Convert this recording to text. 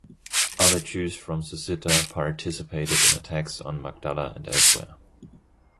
Other Jews from Sussita participated in attacks on Magdala and elsewhere.